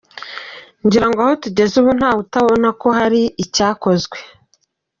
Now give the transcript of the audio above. Ngirango aho tugeze ubu ntawutabona ko hari icyakozwe.